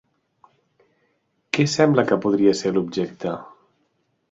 Què sembla que podria ser l'objecte?